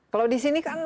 kalau di sini kan